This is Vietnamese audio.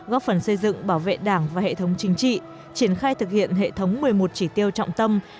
góp phần xây dựng bảo vệ đảng và hệ thống chính trị triển khai thực hiện hệ thống một mươi một chỉ tiêu trọng tâm